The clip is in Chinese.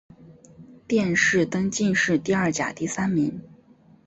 殿试登进士第二甲第三名。